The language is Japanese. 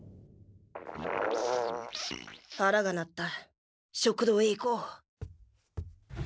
はらがなった食堂へ行こう。